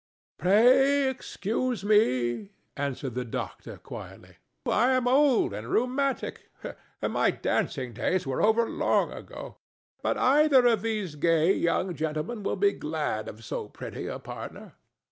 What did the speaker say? "Pray excuse me," answered the doctor, quietly. "I am old and rheumatic, and my dancing days were over long ago. But either of these gay young gentlemen will be glad of so pretty a partner."